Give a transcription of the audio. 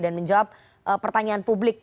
dan menjawab pertanyaan publik